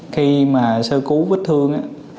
khi mà sơ cứu bị thương